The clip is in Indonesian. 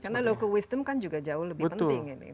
karena loku wisdom kan juga jauh lebih penting